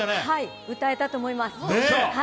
はい、歌えたと思います。